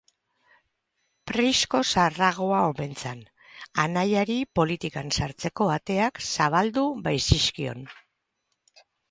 Prisko zaharragoa omen zen, anaiari politikan sartzeko ateak zabaldu baitzizkion.